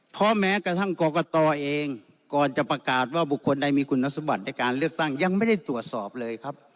เพราะแม้กระทั่งกรกตเองก่อนจะประกาศว่าบุคคลใดมีคุณสมบัติในการเลือกตั้งยังไม่ได้ตรวจสอบเลยครับ